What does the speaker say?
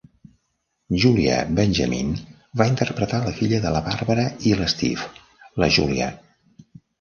Julia Benjamin va interpretar la filla de la Barbara i l'Steve, la Julia.